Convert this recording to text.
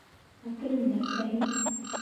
Әкренләп, ә һин?